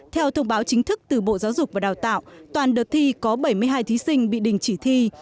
theo thông báo chính thức từ bộ giáo dục và đào tạo toàn đợt thi có bảy mươi hai thí sinh bị đình chỉ thi